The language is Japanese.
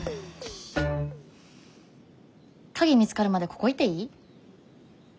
鍵見つかるまでここいていい？